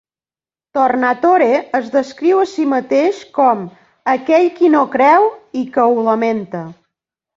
Tornatore es descriu a si mateix com "aquell qui no creu i que ho lamenta".